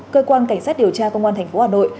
cơ quan cảnh sát điều tra công an tp hà nội